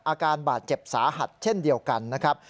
อาการบาดเจ็บสาหัสเช่นเดียวกันนะครับ